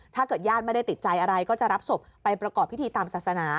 ญาติไม่ได้ติดใจอะไรก็จะรับศพไปประกอบพิธีตามศาสนา